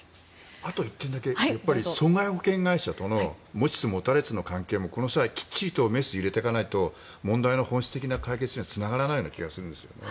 あと１点だけ損害保険会社との持ちつ持たれつの関係もこの際、きっちりメスを入れていかないと問題の本質的な解決にはつながらない気がするんですね。